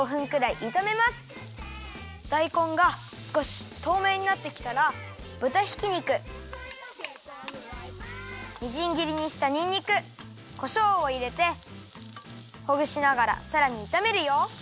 だいこんがすこしとうめいになってきたらぶたひき肉みじんぎりにしたにんにくこしょうをいれてほぐしながらさらにいためるよ。